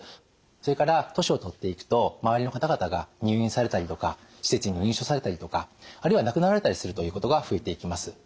それから年を取っていくと周りの方々が入院されたりとか施設に入所されたりとかあるいは亡くなられたりするということが増えていきます。